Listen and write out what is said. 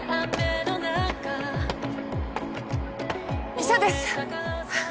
・医者です。